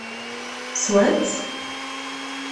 Swan-tt?